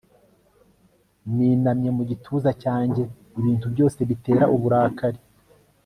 ninamye mu gituza cyanjye ibintu byose bitera uburakari